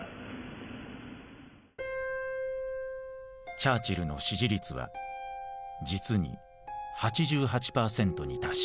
チャーチルの支持率は実に８８％に達した。